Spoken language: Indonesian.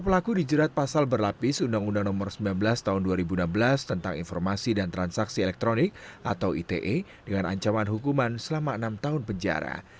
pelaku dijerat pasal berlapis undang undang nomor sembilan belas tahun dua ribu enam belas tentang informasi dan transaksi elektronik atau ite dengan ancaman hukuman selama enam tahun penjara